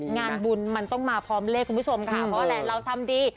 งานบุญมันต้องมาพร้อมเลขคุณผู้ชมค่ะเพราะอะไรเราทำดี